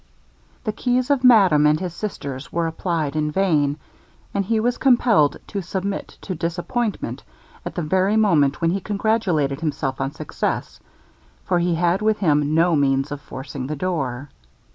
The keys of madame and his sisters were applied in vain, and he was compelled to submit to disappointment at the very moment when he congratulated himself on success, for he had with him no means of forcing the door.